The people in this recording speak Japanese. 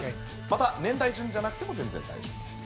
また年代順じゃなくても全然大丈夫です。